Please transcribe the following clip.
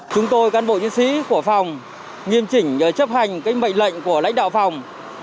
chúng tôi cán bộ nhân sĩ của phòng nghiêm trình chấp hành mệnh lệnh của lãnh đạo phòng